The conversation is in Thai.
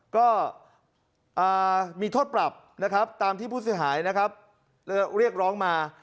ก็มีโทษปรับนะครับตามที่ผู้เสียหายนะครับเรียกร้องมา